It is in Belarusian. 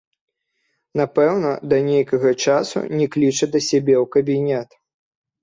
Напэўна, да нейкага часу не кліча да сябе ў кабінет.